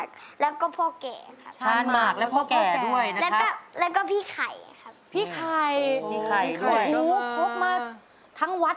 แค่กินน้ำแมงได้แล้วกงล่ิม